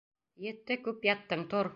Етте, күп яттың, тор!